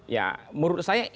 ya menurut saya